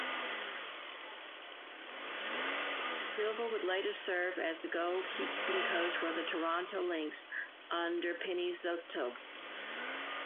Silva would later serve as the goalkeeping coach for the Toronto Lynx under Pinizzotto.